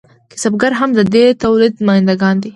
کسبګر هم د دې تولید نماینده ګان دي.